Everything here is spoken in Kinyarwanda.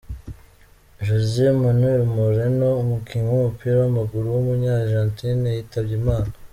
Jose Manuel Moreno, umukinnyi w’umupira w’amaguru w’umunyargentine yitabye Imana.